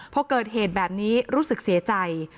พอเกิดเหตุแบบนี้รู้สึกเสียใจ